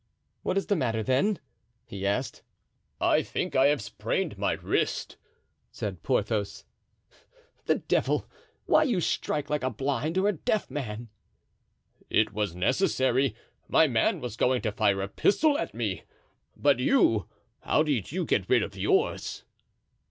"What is the matter, then?" he asked. "I think I have sprained my wrist,' said Porthos. "The devil! why, you strike like a blind or a deaf man." "It was necessary; my man was going to fire a pistol at me; but you—how did you get rid of yours?"